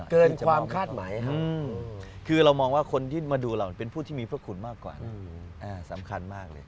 เกินความคาดหมายครับคือเรามองว่าคนที่มาดูเราเป็นผู้ที่มีพระคุณมากกว่าสำคัญมากเลย